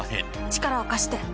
「力を貸して」